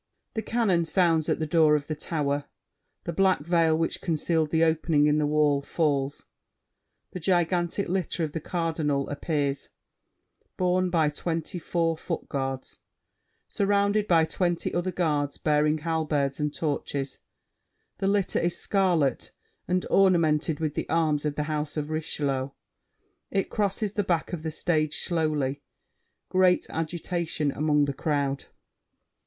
[The cannon sounds at the door of the tower; the black veil which concealed the opening in the wall, falls: the gigantic litter of The Cardinal appears, borne by twenty four foot guards, surrounded by twenty other guards bearing halberds and torches: the litter is scarlet and ornamented with the arms of the House of Richelieu. It crosses the back of the stage slowly. Great agitation among the crowd.